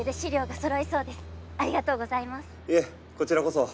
いえこちらこそ。